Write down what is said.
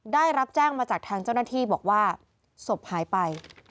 ได้รับแจ้งมาจากทางเจ้าหน้าที่บอกว่าศพหายไป